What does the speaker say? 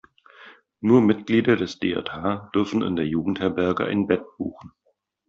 Nur Mitglieder des DJH dürfen in der Jugendherberge ein Bett buchen.